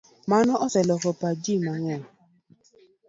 Mano oseloko pach ji mang'eny.